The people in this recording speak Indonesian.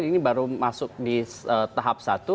ini baru masuk di tahap satu